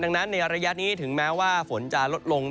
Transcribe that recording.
ดังนั้นในระยะนี้ถึงแม้ว่าฝนจะลดลง